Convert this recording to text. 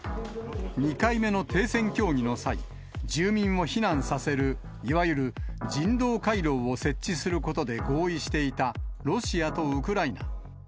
２回目の停戦協議の際、住民を避難させる、いわゆる人道回廊を設置することで合意していたロシアとウクライナ。